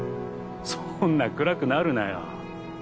そんな暗くなるなよ。